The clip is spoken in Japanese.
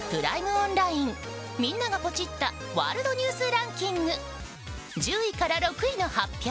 オンラインみんながポチッたワールドニュースランキング１０位から６位の発表